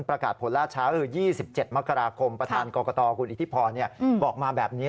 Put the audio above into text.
ประกาศผลล่าช้าคือ๒๗มกราคมประธานกรกตคุณอิทธิพรบอกมาแบบนี้